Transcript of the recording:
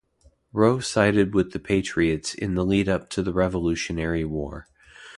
Roe sided with the Patriots in the lead-up to the Revolutionary War.